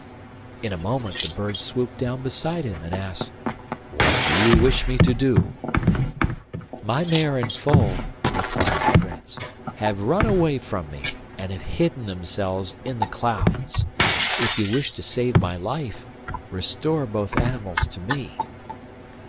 In a moment the bird swooped down beside him and asked: 'What do you wish me to do?' 'My mare and foal,' replied the Prince, 'have run away from me, and have hidden themselves in the clouds; if you wish to save my life, restore both animals to me.